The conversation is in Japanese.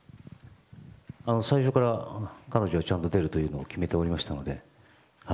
最初から彼女はちゃんと出るというのは決めておりましたので。